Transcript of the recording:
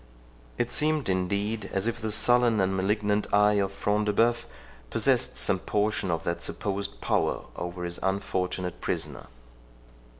It seemed indeed as if the sullen and malignant eye of Front de Bœuf possessed some portion of that supposed power over his unfortunate prisoner.